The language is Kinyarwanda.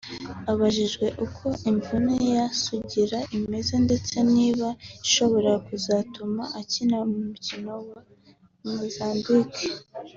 Abajwijwe uko imvune ya Sugira imeze ndetse niba ishobora kuzatuma akina umukino wa Mozambique